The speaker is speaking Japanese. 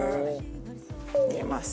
入れます。